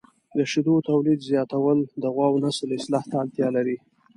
د شیدو تولید زیاتول د غواوو نسل اصلاح ته اړتیا لري.